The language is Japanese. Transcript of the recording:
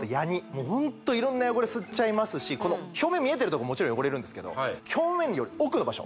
もうホント色んな汚れ吸っちゃいますし表面見えてるとこもちろん汚れるんですけど表面より奥の場所